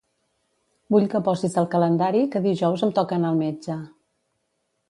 Vull que posis al calendari que dijous em toca anar al metge.